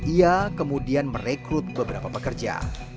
ia kemudian merekrut beberapa pekerja